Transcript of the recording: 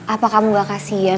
apa kamu gak kasihan